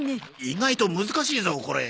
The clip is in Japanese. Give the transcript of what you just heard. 意外と難しいぞこれ。